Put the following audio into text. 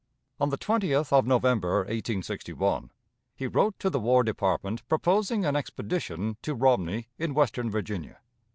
On the 20th of November, 1861, he wrote to the War Department, proposing an expedition to Romney, in western Virginia.